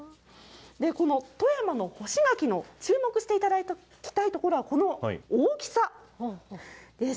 この富山の干し柿の注目していただきたいところは、この大きさです。